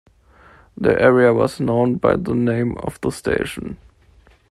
The area was known by the name of the station.